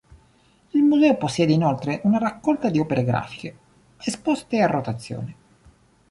Il museo possiede inoltre una raccolta di opere grafiche, esposte a rotazione.